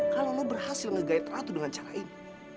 kalau lo berhasil nge guide ratu dengan cara ini